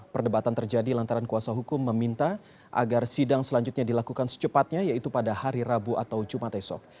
perdebatan terjadi lantaran kuasa hukum meminta agar sidang selanjutnya dilakukan secepatnya yaitu pada hari rabu atau jumat esok